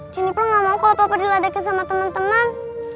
janiper gak mau kalau papa diladekin sama temen temen